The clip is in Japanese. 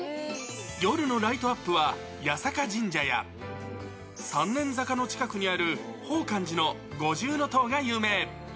夜のライトアップは、八坂神社や三年坂の近くにある法観寺の五重塔が有名。